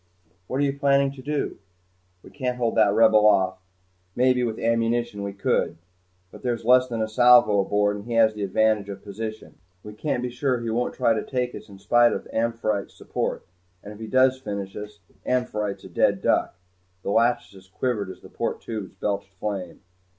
"What are you planning to do?" I asked. "We can't hold that Rebel off. Maybe with ammunition we could, but there's less than a salvo aboard and he has the advantage of position. We can't be sure he won't try to take us in spite of 'Amphitrite's' support and if he does finish us, 'Amphitrite's' a dead duck." The "Lachesis" quivered as the port turrets belched flame.